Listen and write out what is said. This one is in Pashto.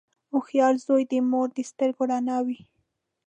• هوښیار زوی د مور د سترګو رڼا وي.